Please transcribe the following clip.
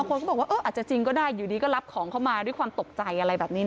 คนก็บอกว่าอาจจะจริงก็ได้อยู่ดีก็รับของเข้ามาด้วยความตกใจอะไรแบบนี้นะ